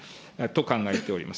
と考えております。